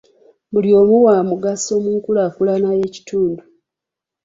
Buli omu wa mugaso mu nkulaakulana y'ekitundu.